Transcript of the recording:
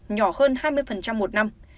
nhỏ hơn hai mươi một năm